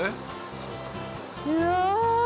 うわ！